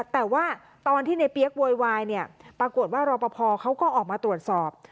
แต่ว่าตอนที่ในเปี๊ยกโวยวายเนี่ยปรากฏว่ารอปภเขาก็ออกมาตรวจสอบ